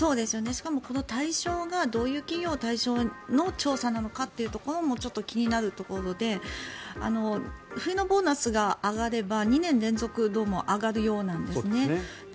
しかも、対象がどういう企業が対象の調査なのかというところもちょっと気になるところで冬のボーナスが上がれば２年連続どうも上がるようなんですね。